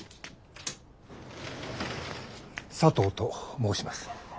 佐藤と申します。